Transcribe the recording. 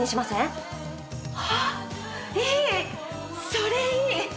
それいい！